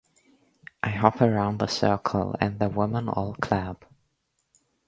I hop around the circle and the women all clap.